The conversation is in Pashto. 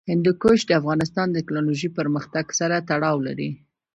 هندوکش د افغانستان د تکنالوژۍ پرمختګ سره تړاو لري.